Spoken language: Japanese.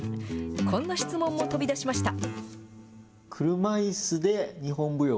こんな質問も飛び出しました。